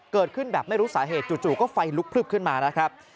เกิดขึ้นแบบไม่รู้สาเหตุจู่ก็ไฟลุกพลึบขึ้นมานะครับ